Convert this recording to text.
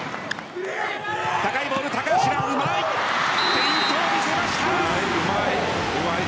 フェイントを見せました。